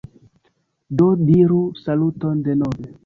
Do diru saluton denove